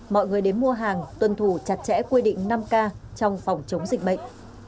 mọi người đến mua hàng tuân thủ chặt chẽ quy định năm k trong phòng chống dịch bệnh